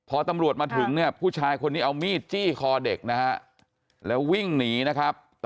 พอตำรวจมาถึงเนี่ยผู้ชายคนนี้เอามีดจี้คอเด็กนะฮะแล้ววิ่งหนีนะครับ